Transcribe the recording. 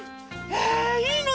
へえいいの？